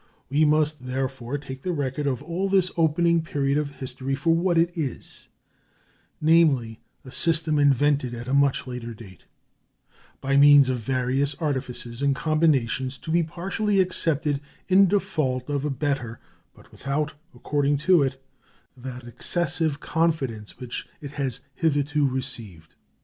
We must, therefore, take the record of all this opening period of history for what it is namely, a system invented at a much later date, by means of various artifices and combinations to be partially accepted in default of a better, but without, according to it, that excessive confidence which it has hitherto received.